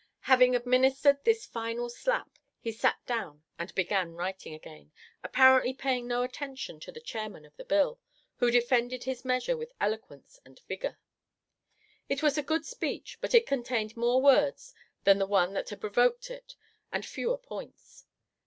Having administered this final slap, he sat down and began writing again, apparently paying no attention to the Chairman of the bill, who defended his measure with eloquence and vigour. It was a good speech, but it contained more words than the one that had provoked it and fewer points.